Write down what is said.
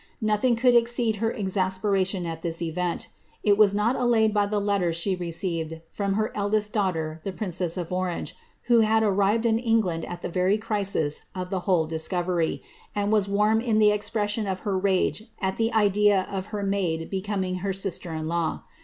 Nothing could exceed her exasperation at this event; * MS. of Pere Gamacbe. * Madame de Motteville, vol. vi 166 HBIIRIBTTA MARIA^ it was not allayed by the letters she received from her eldest daughter, the princess of Orange, who had arrived in England at the very crisis of the whole discovery, and was warm in the expression of her rage at the idea of her maid becoming her sister in law.